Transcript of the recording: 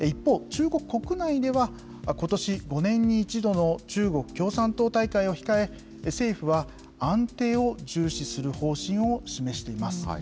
中国国内ではことし、５年の一度の中国共産党大会を控え、政府は安定を重視する方針を示しています。